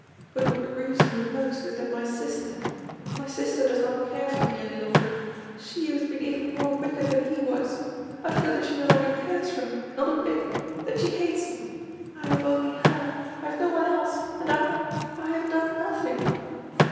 But what grieves me most is that my sister my sister does not care for me any longer she who has been even more wicked than he was! I feel that she no longer cares for me not a bit that she hates me I have only her I have no one else and I, I have done nothing!"